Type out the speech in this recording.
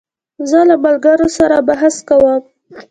زه له ملګرو سره بحث کوم.